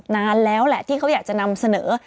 นานแล้วแหละที่เขาอยากจะนำเสนอ